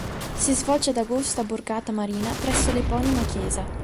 Si svolge ad agosto a Borgata Marina presso l'eponima chiesa.